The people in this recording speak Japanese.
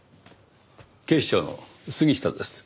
警視庁の杉下です。